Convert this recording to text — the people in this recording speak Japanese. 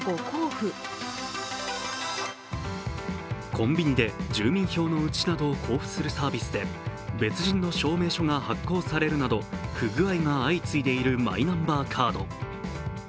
コンビニで住民票の写しなどを交付するサービスで別人の証明書が発行されるなど不具合が相次いでいるマイナンバーカード。